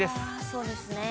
そうですね。